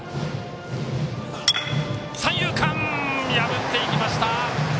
三遊間破っていきました。